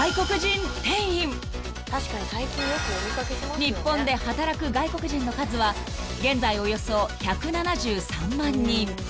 ［日本で働く外国人の数は現在およそ１７３万人］